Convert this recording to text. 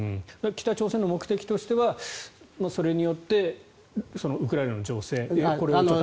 北朝鮮の目的としてはそれによってウクライナの情勢の後押しを。